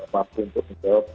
mampu untuk menjawab